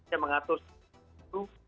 yang mengatur itu